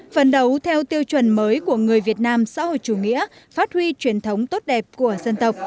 phần đấu theo tiêu chuẩn mới của người việt nam xã hội chủ nghĩa phát huy truyền thống tốt đẹp của dân tộc